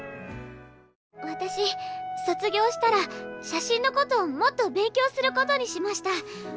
私卒業したら写真のことをもっと勉強することにしました。